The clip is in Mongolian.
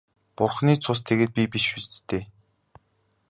Бурхны цус тэгээд би биш биз дээ.